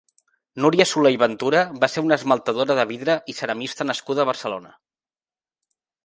Núria Solé i Ventura va ser una esmaltadora de vidre i ceramista nascuda a Barcelona.